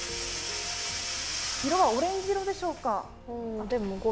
色はオレンジ色でしょうか。